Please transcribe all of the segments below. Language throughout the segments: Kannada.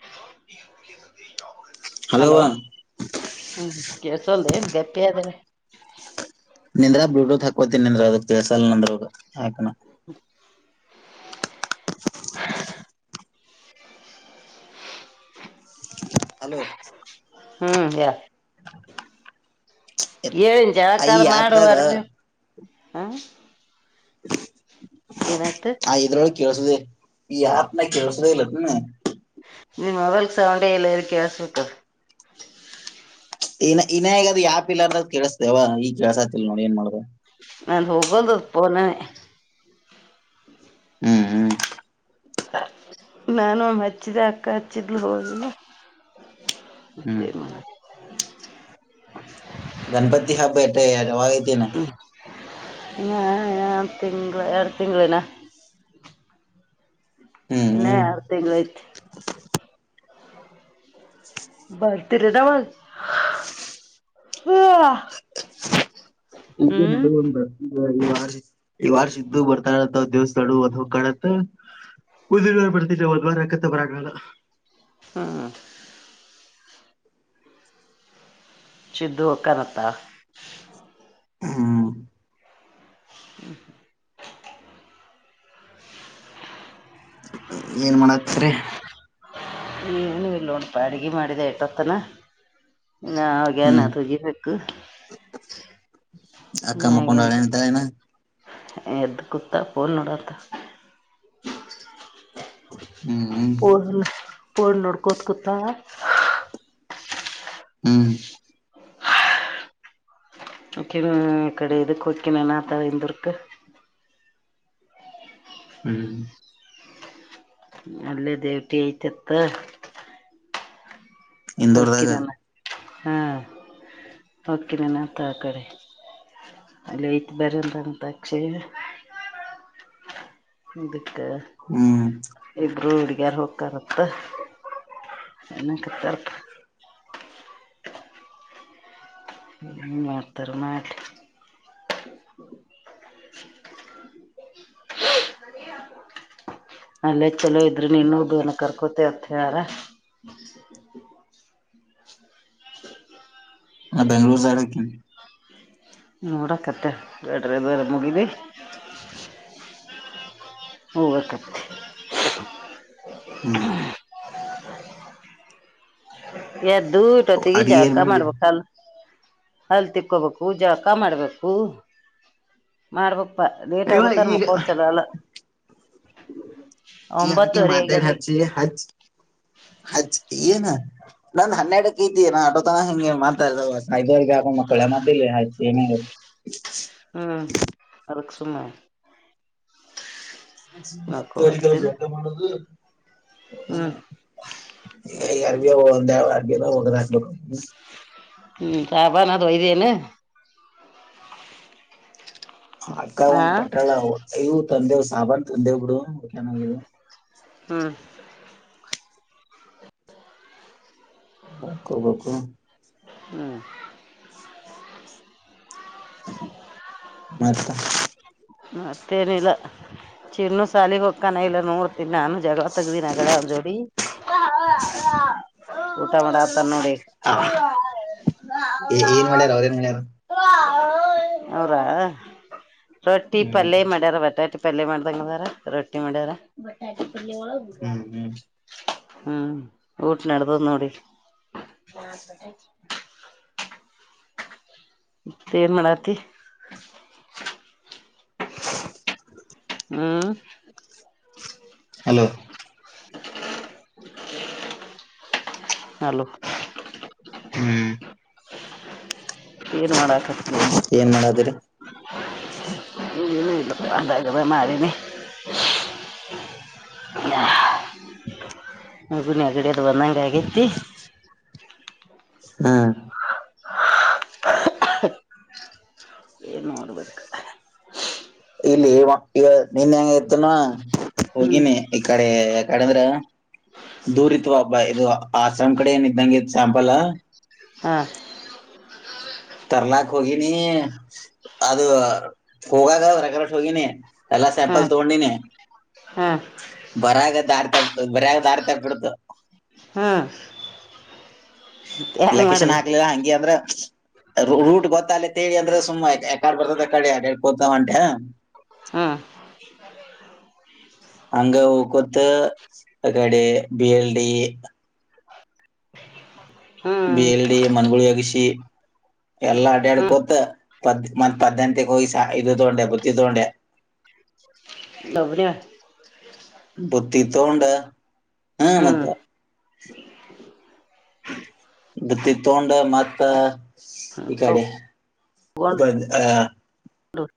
[inaudible] ಹಲೋ ಹ್ಮ ಕೆಸ ಅಂದೆ ಗಪಿದ ನಿಂದ್ರ ಬ್ಲೂಟೂತ್ ಹಾಕೋತಿನನಿ ನಿಂದ್ರ ಅದ ಕೆಳ್ಸ ಅಲ್ಲಂದ್ರ ಯಾಕ ಹ [inaudible] ಹಲೋ ಹ್ಮ್ ಯ ಏಿನ್ ಈ ಜಳಕ್ಕದು ಆ್ಯಪ್ದಾಗ ಮಾಡುವರ್ ಹ ಹ ಏನಾಯ್ತು ಕೇಳಸುತ್ತಧೆ ಈ ಅಪ್ ಕೇಳಸುದೇ ಇಲ್ಲತ್ತನೆ ನಿ ಮೊಬೈಲ್ ಸೌಂಡ ಎಲ್ಲ ಹೇಲಿ ಕೆಲ್ಲಿಸ್ಬೆಕು ಇ ಇನ್ೇಗ ಅದು ಯಾವ ಪಿಿಲ್ಲರ್ ಕೆೇಳಸ್ದವ ಈ ಕೆಳ್ಸತಿಲ್ ನೋಡಿ ಏನ್ ಮಾಡ್ರ ನ ತೂಕ ತಪ್ಪನ [unintelligible] ಹ್ಮ್ ಹ್ಮ್ ನಾನು ಹಚ್ಚಿದ ಅಕ್ಕ ಹಚ್ಚಿದ್ಲು ಹೋಗನ ಹ್ಮ್ ಇಷ್ಟ ಮಾಡ [unintelligible] ಗಣಪತಿ ಹಬ್ಬ ಟೆ ಯ ಅವಾವಾಗೈತನಾ ಆರು ತಿಂಗಳು ಎರಡು ತಿಂಗಳಿನ ಹ್ಮ್ ಇನ್ನ ಹ್ಮ್ ಎರಡು ತಿಂಗಳ ಅಹಿತಿ ಬರ್ತಿರೆನ ಅವಾಗ ಹ ಹ ನಡುವ ಈ ವಾರ್ಷ ಈ ವಾರ್ಷ ಇದ್ದು ಬರ್ತಾತ್ ದೇವಸ್ಥಳ ಅದ್ ಹೋಗ ಕಾಣತ್ ಉದ್ರವಾರ ಪಡ್ ಒ ಬಾರ ರಕ್ಕತೆ ಬರಕಾರಲ್ಲ ಹ್ಮ್ ಸಿಧು ಕನತ್ತ ಹಾ ಹ್ಮ ಹ್ಮ ಏನ್ ಮಾಡತ್ರಿ ಏನು ಇಲ್ಲ ಒಣಪ ಅಡಿಗೆ ಮಾಡಿದೆ ಎಟ್ಟತ್ತನ ನಾ ಆಗ ಹ್ಮ್ ನ ತು ಅಕ್ಕ ಮುಖಂಡಾಳೆಂತನ ಎದ್ದ್ ಕುತಾ ಪ ನೋಡತ್ತ ಹ್ಮ್ ಹ್ಮ್ ಪೋನ ಪೋನ ನೋಡ್ಕೋತ್ ಕುೂತಾಲ ಹ್ಮ ಕ ಕಡೆೆಯದು ಕೊಕ್ಕಿನಣ ತಯಂದರುಕ ಹ್ಮ್ ಅಲ್ಲೇ ದೇವಿಟಿ ಆಐತೆ ಎತ್ತ ಇಂದೂರ್ದಾಗ ಹಾಂ ಓಕೆ ನಾನ ತಕಡಿ ಅಲ್ಲಿ ಐತ್ ಬರ ಅಂತಂತ ಅಕ್ಷಯ ಅದಕ್ಕ ಹ್ಮ್ ಇಬ್ರು ಹುಡ್ಗ್ಯಾರ್ ಹೋಗ ಕರಪ ಎಕ್ಕೆ ತರಪ ಮಾತರ್ ಮಾಡಠ ಹ ಅಲ್ಲೇ ಚಲೋ ಇದ್ರರು ನೀನುನ ಕರ್ಕೋತೇವತ್ತ ಯಾರ ಆ ಬೆಂಗ್ಳೂರು ಸೈಡಕ್ಕಿ ನೋಡಕತ್ತೆ ಗಡ್ರ ದೇರೆ ಮುಗಿದ ಹೋಗಬೇಕ ಹ್ಮ್ ಎದ್ದು ಇಟ್ಟೊತ್ತಗ ಅಡ್ಗೆ ಏನ್ ಜಾಕ ಮಾಡ್ಲಿ ಮಾಡ್ಬೇಕಲ್ ಅಲ್ ತಿಕ್ಕೋಬೇಕು ಜಾಕ ಮಾಡ್ಬೇಕು ಮಾಡ್ಬೇಕು ಪ ಲೇಟ್ ಇವ ಆಗುತ್ತಾರ ಮಕ್ಕೋದಸಲ ಎಲ್ಲ ಈ ಅದಕ್ಕೆ ಮಾತ ಹ ಹಜ ಹಜ ಇ ನ ನಂದ್ ಹನ್ನೆರಡಕ್ಕೆ ಇದ್ದೀ ನಾ ಆಟೋ ತನ ಹಿಂಗೆ ಮಾತಾ ಸಾಯದವರ್ಗೆ ಆಕ ಮಕ್ಕಳೆ ಮ ಏ ಸಮಯ ಹತ್ತು ಅ ಕ ಜತ ಮಾಡೋದು ಹ್ಮ ಯಾರಗ ಒ ಅರ್ಗೆದ ಹ್ಮ್ ಚಾಬ ನ ದಹ ದನು. ಅಕ್ಕ ಹಾ ಒಂಗ್ ಕೊಟ್ಟಾಳ ಇವು ತಂದೆವು ಸಾಬಾು ತಂದೆವ್ ಬಿಡು ಚನ್ನಾಗ. ಹ್ಮ್. ಹಕ ಬಕು. ಹ್ಮ. ಮತ. ಮತ್ತೇನಿಲ್ಲ ಚಿಣ ಸಾಲಿಗೆ ಹೋಗಕ್ಕಾನ ಇಲ್ಲ ನೋಡ್ತೀನಿ ನಾನು. ಜತ್ತಗ್ದಿನಳ ಒಂದೋರಿ. ಊಟ ಮಾಡ ಆತಾರ ನೋಡಿ. ಏನ್ ಮಾಡ್ಯಾರ ಅವ್ರೇನ್ ಮಾಡ್ಯಾರ ಹ. ಅವರ ರೊಟ್ಟಿ ಹ್ಮ್ ಪಲ್ಯ ಮಾಡ್ಯಾರ ಬಟಾಟಿ. ಪಲ್ಯ ಮಾಡ್ ದಂಗೆ ಅದರ, ರೊಟ್ಟಿ ಮಾಡರ? ಹ್ಮ್ ಹ್ಮ್ [unintelligible] ಹ್ಮ್, ಊಟಿನಡುತಂದೋಡಿ. [unintelligible] ಮತ್ತೆ, ಏನ್ ಮಾಡಾತಿ. [inaudible] [unintelligible] [inaudible] ಹೂ. [inaudible] ಹಲೋ. [inaudible] ಹಲೋ! [unintelligible] ಹ್ಮ್ ಏನ್, ಮಾಡಾಕತ್ತಿನು, ಅಂದಿ, ಏನ್ ಮಾಡದ್ರಿ ಏನಿಲ್ಲ. [unintelligible] ಮಾತಾಡು ಮಾರನಿ, ಹೂ, ಹಾ. [unintelligible] ಇವಾಗಲೇ, ನೆಗಡಿ, ಅಗವೇ, ಆಗೈತೆ! ನೆಗಡಿಯಾಗಿ. [unintelligible] ಹಾ. [inaudible] ಏನ್, ನೋಡ್ಬೇಕು? [unintelligible] ಇಲ್ಲಿ, ಈಗ ನೆನ್ನೆ, ಹೆಂಗ ಹೆತ್ತೀವಿ, ಹ್ಮ್ ಹೋಗಿನಿ! ಈ ಕಡೆ ಕಡೆ ಅಂದ್ರ. [unintelligible] ದೂರಿ ಇತ್ವಾ ಅಬ್ಬಾ! ಇದು, ಆ, ಸಂಕಡಿ, ಏನು, ಇದ್ದಂಗೆ ಸಾಂಪಲ್. [inaudible] ಹಾ. [unintelligible] ತರ್ಲಾಕ್ ಹೋಗಿನಿ! ಅದು ಹೋಗಾಗ ಹೊರಗರಷ್ಟ, ಹೋಗಿನಿ, ಅ. [inaudible] ಎಲ್ಲ ಹಾ ಸ್ಯಾಂಪಲ್ ತಗೊಂಡಿನಿ? ಹಾ [inaudible] ಬರಗಾ, ದಾರಿ ತಪ್ಪಿತು. ಬರಗಾ ದಾರಿ ತಪ್ಪಿ ಬಿಡ್ತು? [inaudible] ಹ. [inaudible] ಲೊಕೇಶನ್, ಹಾಕ್ಲಿಲ್ಲ! ಹಂಗೆ, ಅಂದ್ರೆ? [inaudible] ರೂಟ್, ಗೊತ್ತಲ್ಲೇ ತೇಳಿ ಅಂದ್ರೆ! ಸುಮ್ನೆ ಆಕಡೆ ಬರ್ತಾವೆ, ಆ ಕಡೆ ಕುಂಟವಂತೆ? [inaudible] ಹಾ. [unintelligible] ಹಂಗೆ, ಓ ಗೊತ್ತು, ಕಡೆ ಬಿ, ಎಲ್, ಡಿ. [inaudible] ಬಿ, ಹ್ಮ್ ಎಲ್, ಡಿ. ಮನ್ಗುಳಿ ಹಗಿಸಿ. [inaudible] ಎಲ್ಲಾ, ಅಡ್ಡ್ಯಾಡ್ ಹ್ಮ್ ಕೂತ್! ಪದ ಮತ್ ಪದ್ನಂತಗ್, ಹೋಗಿ, ಸ, ಇದು, ತಗೊಂಡೆ? ಬತ್ತಿ ತಗೊಂಡೆ. [inaudible] [inaudible] [unintelligible] ಲೌನ್ಯ. [inaudible] ಬುದ್ದಿ, ತಗೊಂಡು, ಹ್ಮ, ಹ್ಮ್ ಮತ್ತೆ. [inaudible] ಕುತ್ತಿಗೆ ತಗೊಂಡು ಮತ್ತೆ ಈ ಕಡೆ? [inaudible] ಹ! [unintelligible] ಹ. [inaudible]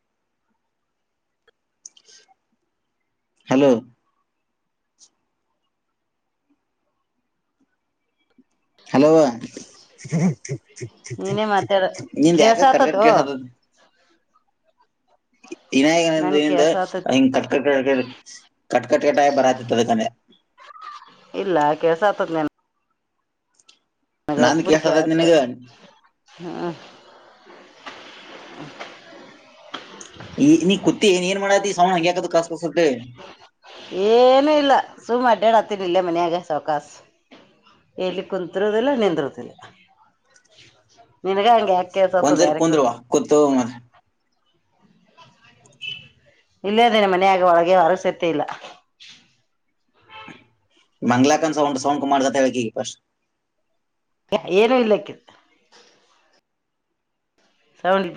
ಹಲೋ. [inaudible] ಹಲೋ! ನೀನೇ [unintelligible] ಮಾತಾಡ ನಿಂದು ಯಾಕೋ ಕಟ್ಕಟ್ ಕೇಳ್ಸಾತದೋ ಕೇಳಿಸ್ತಾ ಆಯ್ತಿ.. [unintelligible] ಈಗ ನನ್ಗ್ ಇವಂದು, ಕೆಲ್ಸ ಆತತಿ ಕಟ್, ಕಟ್, ಕೇಳಿಸ್ತಾ ಇದೆ, ಕಟ್ ಕಟ್ಟಾಗಿ ಬರಹ ಕಾಣ್ತಾ ತಾನೆ. [unintelligible] ಇಲ್ಲ, ಕೆಲ್ಸ, ಆಯಿತೇ, ಇದೆ ನಿಂದು. [unintelligible] ಅದೇ, ನಂದ್ ಬಾರಿ ಕೇಳ್ಸತೈತ್ ಕೇಳಿಸು, ನಿನಗ ಹೂ. [unintelligible] [unintelligible] [inaudible] ಈ ನೀ ಕುತ್ತಿ ಏನ್ ಏನ್ ಮಾಡಾತಿ ಸೌಂಡ್ ಹಂಗ್ಯಾಕದು ಕಸ್ ಕಸ್ ಅಂತೇಳಿ ಏನು, ಇಲ್ಲ, ಸುಮು, ಮಾ. [inaudible] ಬೇಡ, ಅತ್ತೆಗೆ ಇಲ್ಲೇ! ಮನೆಯಾಗ, ಸಾವುಕಾಸು. [unintelligible] ಇಲ್ಲಿ, ಕುಂತರುದಿಲ್ಲ, ನಿಂದರುದಿಲ್ಲ, ನಿನಗ, ಹಂಗ ಯಕ. [inaudible] ಒಂದ್ಸಲಿ ಕುಂದ್ರವ್ವ ಕುಂತ್ ಹೋಗೋಣ? [inaudible] ಇಲ್ಲಯದನೆ ಮನೆಯಗ ಒಳಗೆ ಹೊರ ಸತ್ಯ ಇಲ್ಲ! [inaudible] ಮಂಗ್ಲಕನ್ ಸೌಂಡ್, ಸೌಂಡ್, ಕಮ್ಮಿ ಮಾಡಕ್ ಹೇಳು, ಫರ್ಸ್ಟ್. [unintelligible] ಏನು ಇಲ್ಲ ಇಕ್ಕಿ. [inaudible]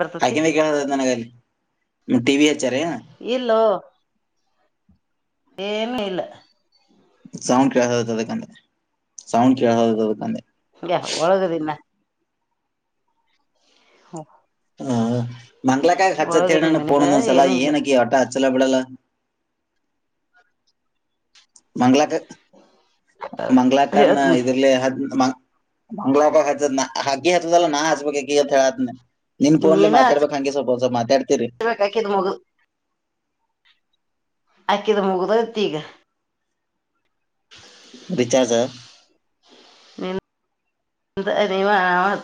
ಬರ್ತತಿ ಆಕಿಣೆ, ಕೇಳು, ನಂಗೆಯಲ್ಲಿ, ಟಿ, ವಿ, ಎಸ್. [inaudible] ಇಲ್ಲೋ, ಏನು, ಇಲ್ಲ? [inaudible] ಸೌಂಡ್, ಕೇಳದಕ್ಕೆ! ಸೌಂಡ್ ಕೇಳದಕೆ, ಅಂದೇ? [inaudible] ಹಂಗೆ ಒಳಗದಿನ ಹಾ. [inaudible] ಹ, ಮಂಗ್ಲಕಾಯಿ, ಒಳಗದಿನ ಹಚ್ಚತಿನ್ನಾ, ಮನ್ಯಾಗ ಫೋನ್ ಒಂದುದು, ಸಲ, ಏನು ಇಲ್ಲ ಏನುಕೆ ಈ, ಹಠ. [inaudible] ಮಸಲಪಡಲ್ಲ ಮಂಗ್ಲಾಕರ್ ಮಂಗಲಾಕರ್ನ ಹೇಳ್ತನಿ ಇದ್ರಲೆ ಹದ್ ಮ ಹಂಗಲ ಹಕ ಹ ಹಾಕಿ ಹಲ್ಲ ನಾ ಹಸಬೇಕ ಳತ್ ನಿನ್ ಫೋನ್ ಮಾತಾಡ್ಬೇಕಕ್ ಹಂ ಸ್ವಲ್ಪಲ್ಪತಾಡ್ ಕಿ ಇದು ಮಗು ಆಕ್ಕಿದ ಮುಗದತ್ತೀಗ ಬಿಚಾರಸ ನೀ ನೀ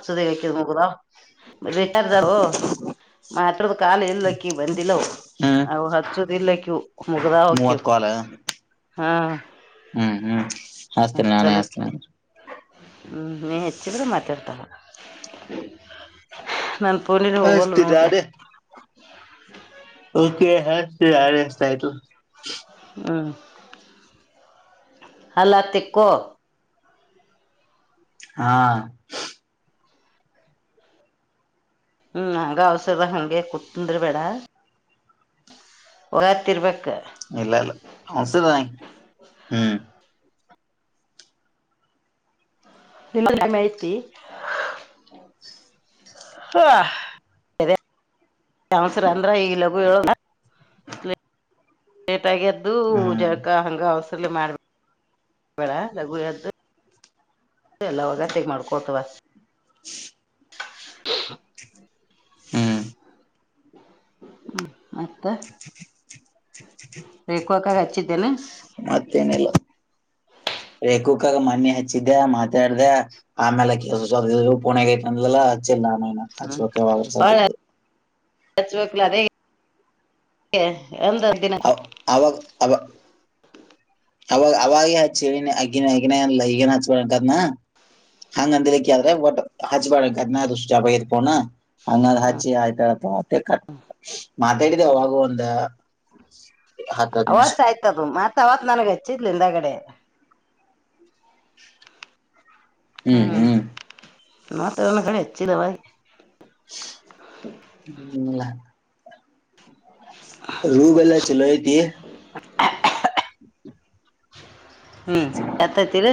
ಸದ ನಗದಾ ರಿಟರ್ದಾವ ಮಾತ್ರದ ಕಾಲ ಇಲ್ಲಕ್ಕಿ ಬಂದಿಲ್ಲ ಅವು ಹಚ್ಚುದಿಲ್ಲ ಕ್ಯೂ ಮುಗ್ದಾವ ಕ್ಯೂ ಮೂವತ್ ಕಾಲ್ ಹಾ ಹ್ಮ್ ಹ್ಮ್ ಹಾಸ್ತೀನೆ ನಾನೇ ಹಾಸ್ತೇನ ಅಂದ ಹ್ಞೂ ನೀನು ಹೆಚ್ಚಿದ್ರೂ ಮಾತಾಡ್ತಾನೆ ನನ್ ಪೂನರ್ ಹೋಗಲ್ಲ ಹಚ್ತಿನ್ ನೋಡ್ಲ ನಾನೇ ಓಕೆ ಹ ಯ ಎಷ್ಟ ಆಯ್ತು ಹ್ಮ ಅಲ್ಲತಕ್ಕೋ ಹಾ ಹ್ಮ್ ಆಗ ಅವಸರದ ಹಗೆ ಕುತ್ಂದ್ರಿ ಬೇಡ ತ್ ಇರ್ಬೇಕ ಇಲ್ಲ ಇಲ್ಲ ಮಸ ಹ್ಮ್ ನಿಮ್ಮ ಮಾಹಿತಿ ಹ ಸರ ಅಂದ್ರ ಈಗ ಲಗು ಹೇಳುದ ತಗದ್ದು ಹ್ಮ್ ಜಕ ಹಂಗ ಅವಸಲ್ಲಿ ಮಾಡ್ಬೇಕೇಡ ಲಗುದ್ದು ಲ್ಲ ಅವಾಗತ್ತಗ್ ಮಾಡ್ಕೊತವ ಹ್ಮ್ ಮತ್ತ ರಕ್ಕಾಗ ಹಚ್ಚಿದ್ದೇನೆ ಮತ್ತೇನಲ್ಲ ರೇೇಕು ಗ ಮಣಿ ಹಚ್ಚಿದ್ದೆ ಮಾತಾಡ್ದ ಆಮೇಲೆ ಕಸ ಸ ಪುಣೆ ಗೈಟ್ ಎಲ್ಲ ಅುಲ ವರೆ ಶ್ರ್ಧುದು ಸಚ್ವಕ್ಲ ರ ಅವ ಅವ ಅವ ಅವಾಗ ಅವಾಗ ಹಚ್ಚ ಅಗ್ಗಿನ ಹಗನ ಎಲ್ಲ ಈಗನ್ ಹಚ್ಬಂತದ್ನ ಹಂಗಂದಲಿ ಕಿದ್ರೆ ಬಟ್ ಹಜಬಾ ಅದನಷ್ಟ ಜಪ ಇರ್ಪೋನ ಅನ್ನ ಹಚ ಆಯ್ತ ಕ ಮಾತಾಡಿದೆ ಅವಾಗ ಒಂದ ಅವತ್ ಆಯ್ತದು ಮತ್ ಅವತ್ ನನಗ್ ಹಚ್ಚಿದ್ಲಿಂದಗಡೆ ಹ್ಮ್ ಹ್ಮ್ ನತ ಒ ಕಡೆ ಹೆಚ್ಚಿಲ್ಲಾವ ಹ್ಮಲ್ಲ ರೂಗಲ್ಲಾ ಚಲೋ ಐತಿ ಹ್ಮ್ ಎತ್ತೈತಿರಿ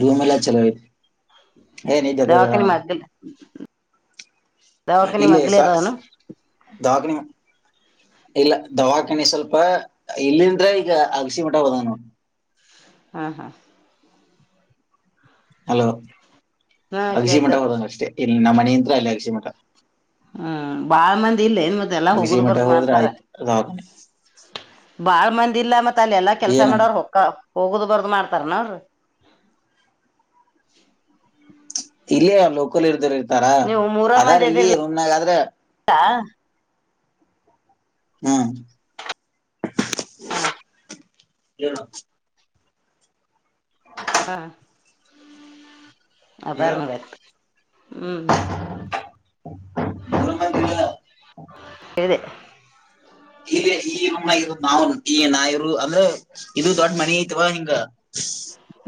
ರೂಮ ಅಲ್ಲ ಚಲ ನೀ ಜ ದವಾಖಾನಿ ಮಗ್ಲ್ ದವಾಖಾನಿ ಇಲ್ಲ ಮಗ್ಲಿ ಸ ಅದಾವನು ದಾಣ ಇಲ್ಲ ದವಾಖಾನಿ ಸ್ವಲ್ಪ ಇಲ್ಲಿಂದ್ರೆ ಈಗ ಅಲ್ಸಿ ಮಟಬದನು ಹ್ಮ ಹಾ ಹಲೋ ಹಾ ಅಗಜಿ ಮಠ ಕೇಳ್ಸತದ ಹೋದಂಗ ಅಷ್ಟೇ ಇಲ್ಲಿ ನಮ್ಮ ಮನಂತ್ರ ಅಲ್ಲಿ ಅಗಜಿ ಮಠ ಹ್ಮ್ ಬಾಳ ಮಂದಿ ಇಲ್ಲ ನ್ ಮತ್ತ ಎಲ್ಲಾ ಅಗಸಿ ಹೋಗುದ್ ಮಠ ಬರ್ದ ಹೋದ್ರೆ ಮಾಡ್ತಾರ ಆಯ್ತು ದವಾಖಾನೆ ಬಾಳ್ ಮಂದ ಇಲ್ಲ ಮತ್ತತ್ ಅಲ್ಲಿ ಎಲ್ಲಾ ಕೆಲ್ಸ ಏನ ಮಾಡೋರು ಹೊಕ್ಕ ಹೋಗದು ಬರ್ದ್ ಮಾಡ್ತಾರನ ಅವ್ರ ಇಲ್ಲಯ ಲೋಕಲ್ ಇರ್ದರು ಇರ್ತಾರ ನೀವು ಮೂರ ಅದಾರ್ ಮಂದಿ ಇಲ್ಲಿ ಇದಿರ್ಲಿಲ್ಲ ರೂಮಾಗ ಆದ್ರೆ ಹ್ಮ್ ಹೇಳ ಹಾ ಅದಾರನ್ನು ಬತ್ತ ಹ್ಮ್ ಇದೆ ಇ ಈಮ್ಮ ನಾ ಈ ನಾಯಿರು ಅಂದ್ರೆ ಇದು ದೊಡ್ ಮನಿ ಐತ್ವಾ ಹಿಂಗ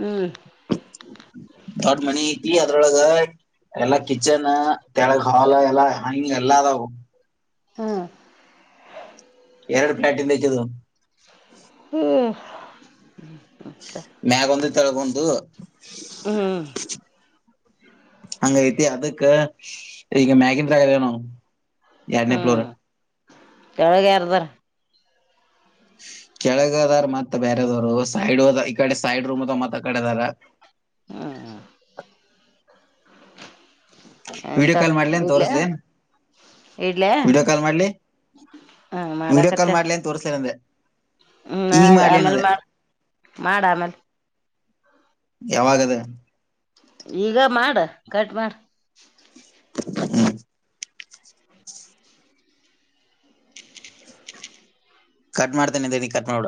ಹ್ಮ್ ತಟ್ ಮನ ಇಲಿ ಯತ್ರ ಎಲ್ಲಾ ಕಿಚನ್ ತೆಳಗ ಹಾಲ್ ಎಲ್ಲಾ ಹಿ ಎಲ್ಲದ ಹ್ಮ್ ಎರಡು ಪ್ಲ್ಯಾಟಿಂದ ಬೇಕದು ಹ್ಮ್ ಮ್ಯ ಬಂದ ತಳ ಬಂದು ಹ್ಮ್ ಅಂಗ ವಿಐತ ಅದುಕ್ಕೆ ಈಗ ಮಗನ್ ಗಣು ಎರಡನೇ ಪ್ಲೋರ್ ಕೆಳಗೆರದರ ಹ್ಮ ಕೆಳಗದಾರ ಮತ್ತ ಬೇರೆದವ್ರು ಸೈಡ್ ಅದ ಈ ಕಡೆ ಸೈಡ್ ರೂಮ್ ಅದ ಮತ್ತ ಕಡೆದಾರ ಹ್ಮ್ ಹ ವಿಡಿಯೋ ಆಯ್ತಾ ಕಾಲ್ ಮಾಡ್ಲಿ ಅಂತ ಇಲ್ಲ ತೋರಿಸ್ಲೇನ್ ಇಡ್ಲ ವಿಡಿಯೋ ಕಾಲ್ ಮಾಡ್ಲಿ ಹಾ ವಿಡಿಯೋ ಮಾಡಕತ್ತ ಕಾಲ್ ಮಾಡ್ಲಿ ಅಂತ ತೋರಿಸ್ಲೇನ್ ಅಂದೆ ಹ್ಮ ಆ ಈಗ ಮಾಡ್ಲೇನ್ ಆಮೇಲ್ ಅಂದೆ ಮಾಡ ಮಾಡ ಆಮೇಲ್ ಯಾವಾಗದ ಈಗ ಮಾಡ ಕಟ್ ಮಾಡ ಹ್ಮ್ ಕಟ್ ಮಾಡ್ತೇನೆ ಇದ್ದೀನಿ ಕಟ್ ಮಾಡಡ